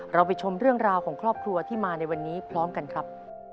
เราไปชมเรื่องราวของครอบครัวที่มาในวันนี้พร้อมกันครับ